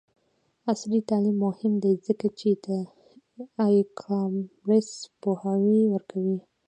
عصري تعلیم مهم دی ځکه چې د ای کامرس پوهاوی ورکوي.